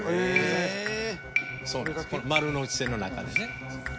丸ノ内線の中でね。